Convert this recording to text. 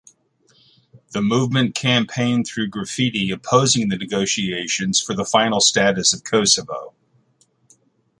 The movement campaigned through graffiti opposing the negotiations for the final status of Kosovo.